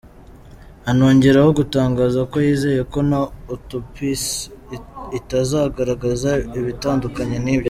Anongeraho gutangaza ko yizeye ko na autopsie itazagaragaza ibitandukanye n’ibyo.